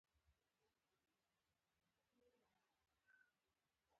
دی هم په اکبر جان پسې شو له کوره ووت.